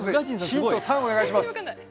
ヒント３お願いします。